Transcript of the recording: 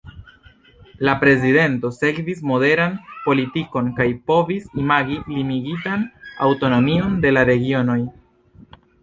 La prezidento sekvis moderan politikon kaj povis imagi limigitan aŭtonomion de la regionoj.